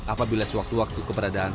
apabila sewaktu waktu keberadaan